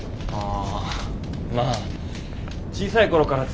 ああ。